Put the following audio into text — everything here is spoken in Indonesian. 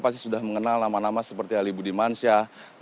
pasti sudah mengenal nama nama seperti alibu dimansyah